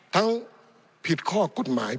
ทั้งผิดข้อกฎหมาย